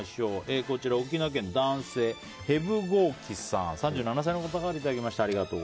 沖縄県の男性３７歳の方からいただきました。